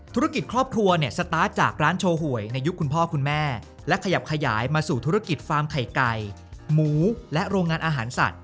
ธุรกิจครอบครัวเนี่ยสตาร์ทจากร้านโชว์หวยในยุคคุณพ่อคุณแม่และขยับขยายมาสู่ธุรกิจฟาร์มไข่ไก่หมูและโรงงานอาหารสัตว